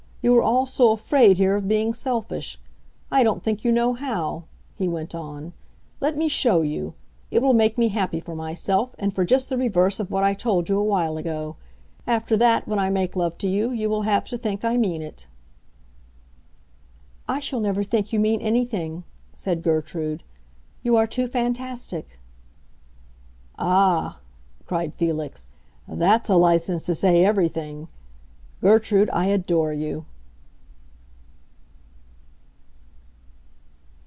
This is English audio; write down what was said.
You are all so afraid, here, of being selfish. I don't think you know how," he went on. "Let me show you! It will make me happy for myself, and for just the reverse of what I told you a while ago. After that, when I make love to you, you will have to think I mean it." "I shall never think you mean anything," said Gertrude. "You are too fantastic." "Ah," cried Felix, "that's a license to say everything! Gertrude, I adore you!"